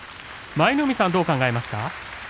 舞の海さんはどう考えますか。